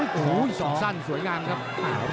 ติดตามยังน้อยกว่า